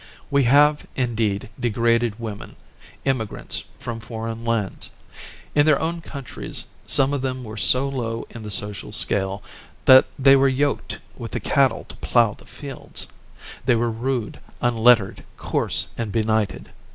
We have, indeed, degraded women, immigrants, from foreign lands. In their own countries some of them were so low in the social scale that they were yoked with the cattle to plow the fields. They were rude, unlettered, coarse, and benighted.